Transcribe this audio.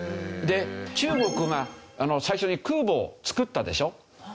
で中国が最初に空母を造ったでしょ。